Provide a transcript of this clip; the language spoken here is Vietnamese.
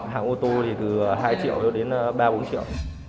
hạng ô tô thì từ hai triệu cho đến ba bốn triệu